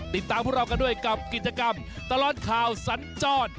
ติดตามพวกเรากันด้วยกับกิจกรรมตลอดข่าวสัญจร